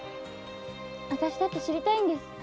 あたしだって知りたいんです。